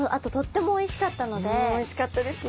うんおいしかったですね。